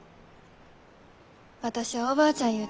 私はおばあちゃんゆう